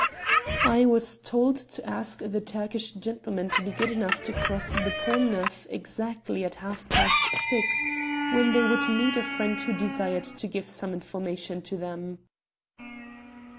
"I was told to ask the Turkish gentlemen to be good enough to cross the Pont Neuf exactly at half past six, when they would meet a friend who desired to give some information to them."